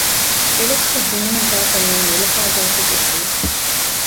އެވަގުތު ޒީނީ ގާތަށް އައީ ނުލަފާ ޒާތެއްގެ ރުޅިއެއް